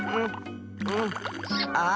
あ！